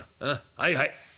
はいはい。